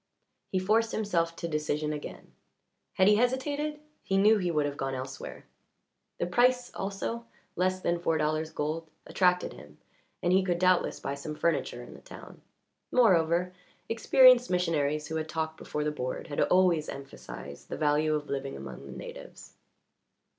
He forced himself to decision again; had he hesitated he knew he would have gone elsewhere. The price also less than four dollars gold attracted him, and he could doubtless buy some furniture in the town. Moreover, experienced missionaries who had talked before the board had always emphasized the value of living among the natives.